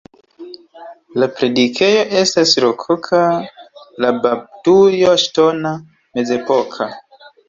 La predikejo estas rokoka, la baptujo ŝtona, mezepoka.